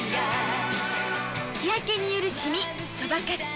日焼けによるシミそばかす